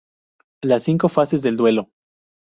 Las cinco fases del duelo